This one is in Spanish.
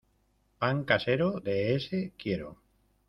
Pan casero, de ése quiero.